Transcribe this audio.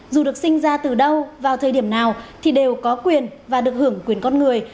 dù được sinh ra từ đâu vào thời điểm nào thì đều có quyền và được hưởng quyền con người